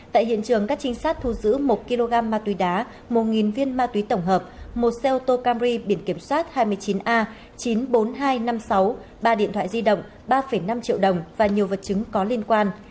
tại hiện trường các trinh sát thu giữ một kg ma túy đá một viên ma túy tổng hợp một xe ô tô camer biển kiểm soát hai mươi chín a chín mươi bốn nghìn hai trăm năm mươi sáu ba điện thoại di động ba năm triệu đồng và nhiều vật chứng có liên quan